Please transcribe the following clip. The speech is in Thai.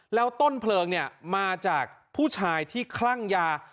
แล้วต้นเพลิงเนี่ยมาจากผู้ชายที่คลั่งยา